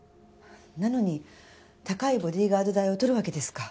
なのに高いボディーガード代を取るわけですか。